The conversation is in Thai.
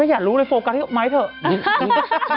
ไม่อยากรู้เลยโฟกัสให้ไม้เถอะ